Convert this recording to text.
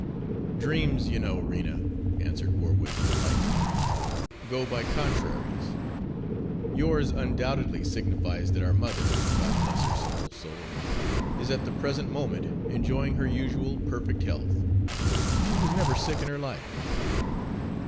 "Dreams, you know, Rena," answered Warwick lightly, "go by contraries. Yours undoubtedly signifies that our mother, God bless her simple soul! is at the present moment enjoying her usual perfect health. She was never sick in her life."